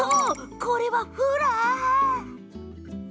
これはフラ？